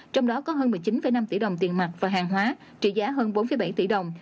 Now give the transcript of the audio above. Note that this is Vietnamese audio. trong đó có hơn một mươi chín năm tỷ đồng tiền mặt và hàng hóa trị giá hơn bốn bảy tỷ đồng